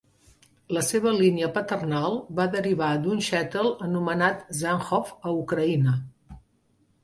La seva línia paternal va derivar d"un shtetl anomenat Zenkhov, a Ucraïna.